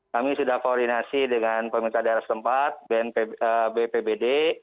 kami sudah koordinasi dengan pemerintah darat sempat bnpb bpbd